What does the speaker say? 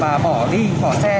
mời anh là thường nhất